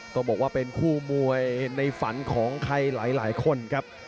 ต้องบอกว่าเป็นคู่มวยในฝันของใครหลายคนครับ